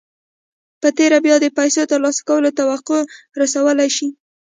په تېره بيا د پيسو ترلاسه کولو توقع رسولای شئ.